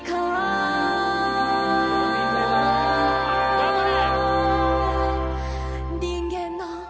頑張れ！